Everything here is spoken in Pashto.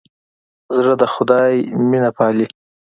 زړه د خدای مینه پالي.